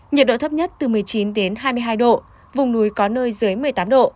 nhiệt độ thấp nhất từ một mươi chín đến hai mươi hai độ vùng núi có nơi dưới một mươi tám độ